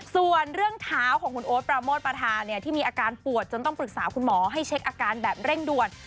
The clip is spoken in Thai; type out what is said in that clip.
ส่วนเรื่องเท้าของคุณโอ๊ตปราโมทประธานที่มีอาการปวดจนต้องปรึกษาคุณหมอให้เช็คอาการแบบเร่งด่วน